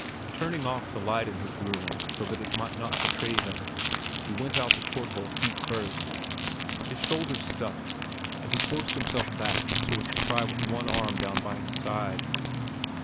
Turning off the light in his room so that it might not betray him, he went out the port hole feet first. His shoulders stuck, and he forced himself back so as to try it with one arm down by his side.